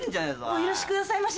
お許しくださいまし。